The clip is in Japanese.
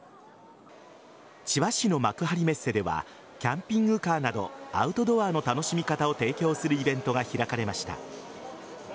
千葉市の幕張メッセではキャンピングカーなどアウトドアの楽しみ方を提供するイベントが開かれました。